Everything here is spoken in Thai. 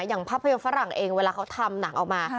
อย่างภาพพยพฝรั่งเองเวลาเขาทำหนักออกมาฮ่า